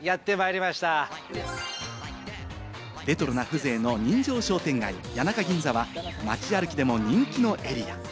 レトロな風情の人情商店街・谷中銀座は街歩きでも人気のエリア。